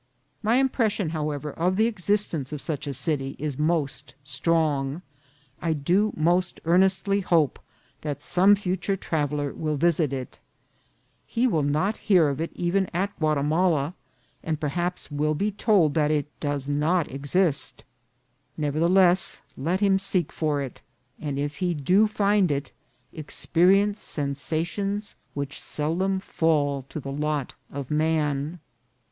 My impression, however, of the existence of such a city is most strong. I do most earnestly hope that some fu ture traveller will visit it. He will not hear of it even at Guatimala, and perhaps will be told that it does not exist. Nevertheless, let him seek for it ; and if he do find it, experience sensations which seldom fall to the lot of man.